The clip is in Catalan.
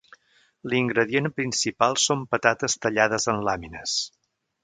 L'ingredient principal són patates tallades en làmines.